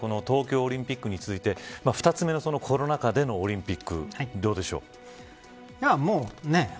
東京オリンピックに続いて２つ目のコロナ禍でのオリンピック、どうですか。